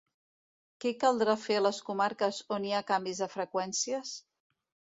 Què caldrà fer a les comarques on hi ha canvis de freqüències?